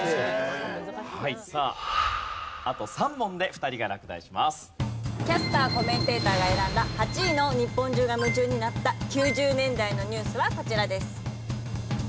さあキャスターコメンテーターが選んだ８位の日本中が夢中になった９０年代のニュースはこちらです。